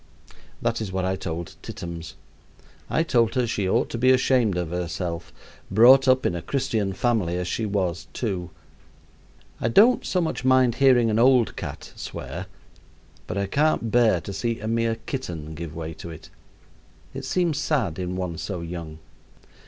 That is what I told Tittums. I told her she ought to be ashamed of herself, brought up in at Christian family as she was, too. I don't so much mind hearing an old cat swear, but I can't bear to see a mere kitten give way to it. It seems sad in one so young.